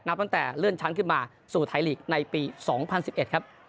ตั้งแต่เลื่อนชั้นขึ้นมาสู่ไทยลีกในปี๒๐๑๑ครับ